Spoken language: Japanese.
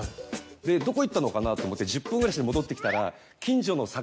どこ行ったのかな？と思って１０分ぐらいして戻ってきたら。